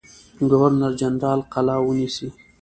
ګورنر جنرال قلا ونیسي.